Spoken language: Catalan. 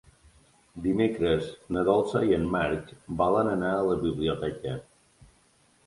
Dimecres na Dolça i en Marc volen anar a la biblioteca.